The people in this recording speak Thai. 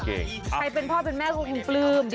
ใครเป็นพ่อเป็นแม่ก็คงปลื้ม